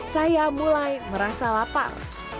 saya mulai merasa lapar